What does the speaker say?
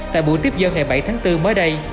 tại buổi tiếp dân ngày bảy tháng bốn mới đây